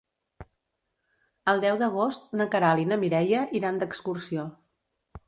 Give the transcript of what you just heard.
El deu d'agost na Queralt i na Mireia iran d'excursió.